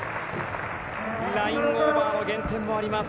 ラインオーバーの減点があります。